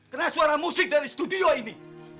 karena suara musik dari studio ini